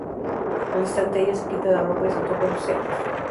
Al instante ella se quita la ropa y se toca sus senos.